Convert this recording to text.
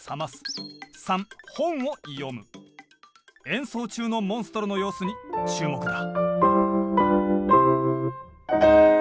演奏中のモンストロの様子に注目だ！